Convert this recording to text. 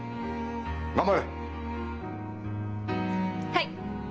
はい！